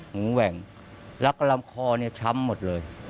หูแหว่งแล้วก็ลำคอเนี่ยช้ำหมดเลย